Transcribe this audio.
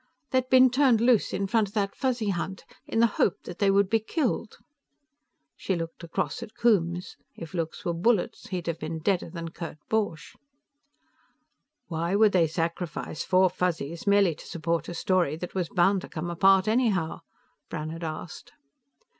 They'd been turned loose in front of that Fuzzy hunt, in the hope that they would be killed." She looked across at Coombes; if looks were bullets, he'd have been deader than Kurt Borch. "Why would they sacrifice four Fuzzies merely to support a story that was bound to come apart anyhow?" Brannhard asked.